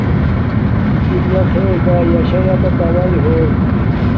نِکِݵݳ بݺ خݵر بݳئݵ. ݵݳ شݳ ݵݳ تݳ بہݵل ہݸ.